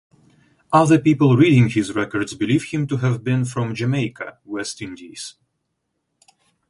Other people reading his records believe him to have been from Jamaica, West Indies.